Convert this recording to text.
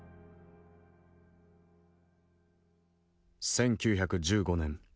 １９１５年。